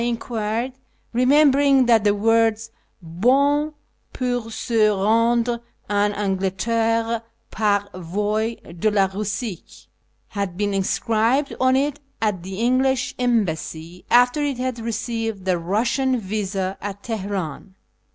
I en quired, remembering that the words ''hon poiir se rendre en Anglderre 'par voie de la Bussie" had been inscribed on it at the English Embassy after it had received the Eussian visa at Teheran.